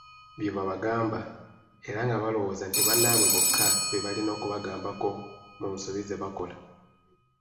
Bye babagamba, era nga balowooza nti bannaabwe bokka be balina okubagambako mu nsobi zebakola,